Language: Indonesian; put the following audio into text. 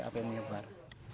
kita hanya mau menyebar